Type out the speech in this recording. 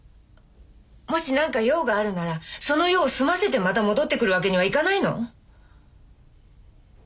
もし何か用があるならその用を済ませてまた戻ってくるわけにはいかないの？